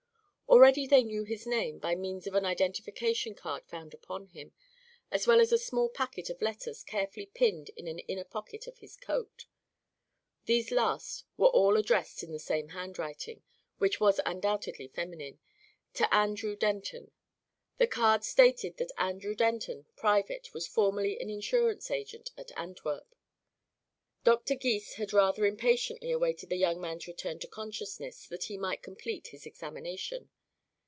Already they knew his name, by means of an identification card found upon him, as well as a small packet of letters carefully pinned in an inner pocket of his coat. These last were all addressed in the same handwriting, which was undoubtedly feminine, to Andrew Denton. The card stated that Andrew Denton, private, was formerly an insurance agent at Antwerp. Doctor Gys had rather impatiently awaited the young man's return to consciousness that he might complete his examination.